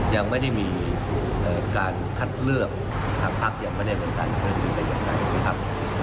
ยังไม่ได้มีการคัดเลือกทางภักดิ์อย่างไม่ได้บันการมีแบบนั้น